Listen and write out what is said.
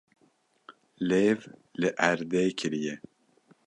Lêv li erdê kiriye.